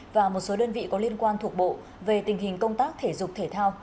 và một số đơn vị có liên quan thuộc bộ về tình hình công tác thể dục thể thao